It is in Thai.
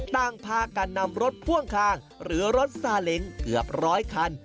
ต่างพากันนำรถพ่วงข้างหรือรถซาเล้งเกือบร้อยคัน